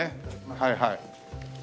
はいはい。